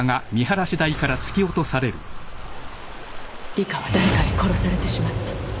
里香は誰かに殺されてしまった。